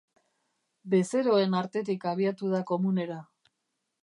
Bezeroen artetik abiatu da komunera.